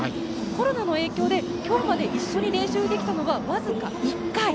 コロナの影響で今日まで一緒に練習ができたのは僅か１回。